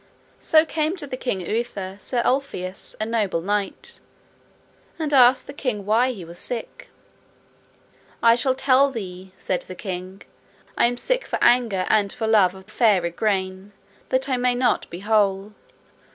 So came to the king Uther Sir Ulfius, a noble knight, and asked the king why he was sick. I shall tell thee, said the king, I am sick for anger and for love of fair Igraine, that I may not be whole.